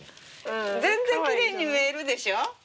全然きれいに見えるでしょ！